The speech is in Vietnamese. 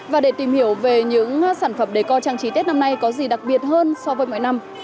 và để tìm hiểu về những sản phẩm đề co trang trí tết năm nay có gì đặc biệt hơn so với mọi năm